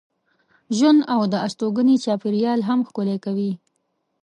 ژوند او د استوګنې چاپېریال هم ښکلی کوي.